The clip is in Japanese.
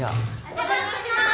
・・お邪魔します。